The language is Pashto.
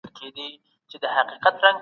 جبري ځان وژنه د زور او فشار نتيجه ده.